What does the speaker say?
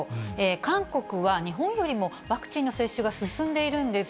韓国は日本よりもワクチンの接種が進んでいるんです。